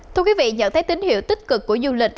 thưa quý vị nhận thấy tín hiệu tích cực của du lịch